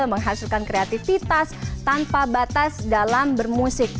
menghasilkan kreativitas tanpa batas dalam bermusik